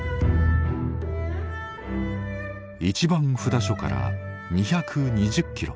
一番札所から２２０キロ。